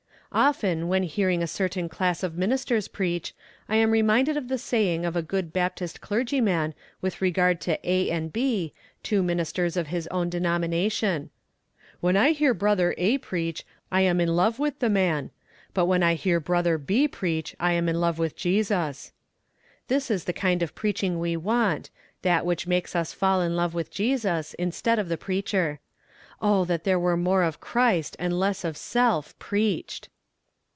Often, when hearing a certain class of ministers preach, I am reminded of the saying of a good Baptist clergyman with regard to A. and B., two ministers of his own denomination: "When I hear Brother A. preach, I am in love with the man; but when I hear Brother B. preach, I am in love with Jesus." This is the kind of preaching we want that which makes us fall in love with Jesus, instead of the preacher. Oh, that there were more of Christ, and less of self, preached.